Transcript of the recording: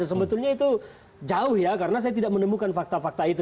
sebetulnya itu jauh ya karena saya tidak menemukan fakta fakta itu